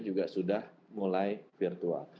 juga sudah mulai virtual